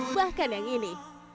bahkan yang ini